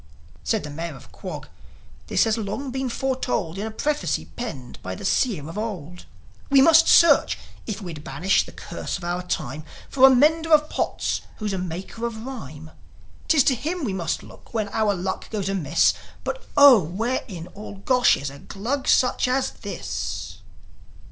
Said the Mayor of Quog: "This has long been foretold In a prophecy penned by the Seer of old. We must search, if we'd banish the curse of our time, For a mender of pots who's a maker of rhyme. 'Tis to him we must look when our luck goes amiss. But, Oh, where in all Gosh is a Glug such as this?"